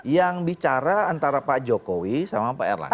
yang bicara antara pak jokowi sama pak erlangga